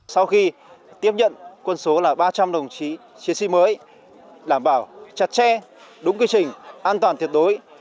sau khi tiếp nhận quân số là ba trăm linh đồng chí chiến sĩ mới đảm bảo chặt chẽ đúng quy trình an toàn tuyệt đối